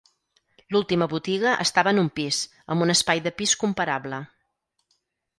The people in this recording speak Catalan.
L'última botiga estava en un pis, amb un espai de pis comparable.